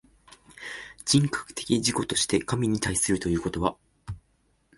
人格的自己として神に対するということは、